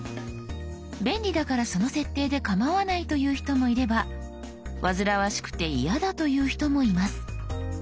便利だからその設定で構わないという人もいれば煩わしくて嫌だという人もいます。